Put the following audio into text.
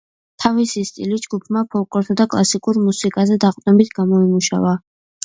თავისი სტილი ჯგუფმა ფოლკლორსა და კლასიკურ მუსიკაზე დაყრდნობით გამოიმუშავა.